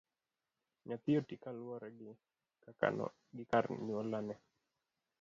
Nyathi oti kaluwore gi kar nyalone.